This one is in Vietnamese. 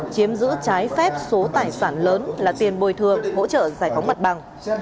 chiếm giữ trái phép số tài sản lớn là tiền bồi thường hỗ trợ giải phóng mặt bằng